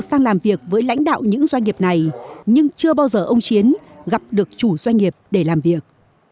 sang làm việc với lãnh đạo những doanh nghiệp này nhưng chưa bao giờ ông chiến gặp được chủ doanh nghiệp để làm việc